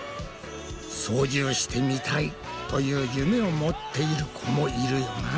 「操縦してみたい」という夢を持っている子もいるよな。